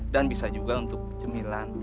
dan bisa juga untuk cemilan